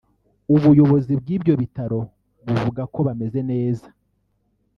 ubuyobozi bw’ibyo bitaro buvuga ko bameze neza